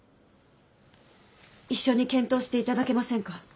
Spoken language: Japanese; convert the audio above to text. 一緒に検討していただけませんか？